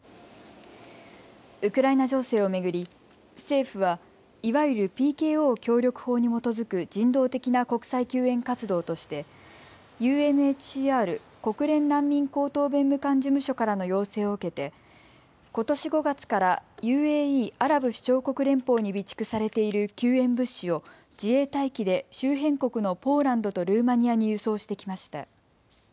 ウクライナ情勢を巡り政府はいわゆるＰＫＯ協力法に基づく人道的な国際救援活動としてＵＮＨＣＲ・国連難民高等弁務官事務所からの要請を受けてことし５月からＵＡＥ・アラブ首長国連邦に備蓄されている救援物資を自衛隊機で周辺国のポーランドとルーマニアに輸送してきました。